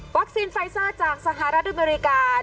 วัคซีนไฟซอร์จากสหรัฐอเมริกา